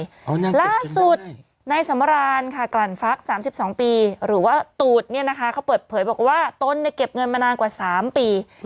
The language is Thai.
แล้วถ้าสูตรในสมรรณค่ะกรรฟักษ์๓๒ปีหรือว่าตูดเนี่ยนะคะเขาเปิดเผยบอกว่าต้นเก็บเงินมานานกว่า๓ปี